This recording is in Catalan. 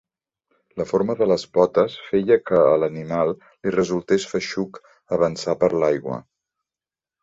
La forma de les potes feia que a l'animal li resultés feixuc avançar per l'aigua.